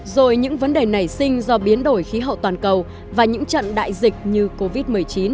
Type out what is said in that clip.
rồi những vấn đề nảy sinh do biến đổi khí hậu toàn cầu và những trận đại dịch như covid một mươi chín